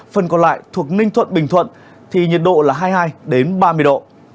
phần còn lại thuộc ninh thuận bình thuận thì nhiệt độ là hai mươi hai ba mươi độ